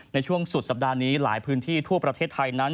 ในช่วงสุดสัปดาห์นี้หลายพื้นที่ทั่วประเทศไทยนั้น